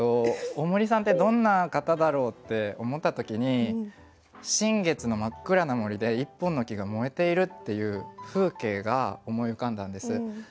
大森さんってどんな方だろうって思った時に新月の真っ暗な森で一本の木が燃えているっていう風景が思い浮かんだんです。